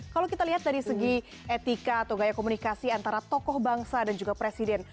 kalau kita lihat dari segi etika atau gaya komunikasi antara tokoh bangsa dan juga presiden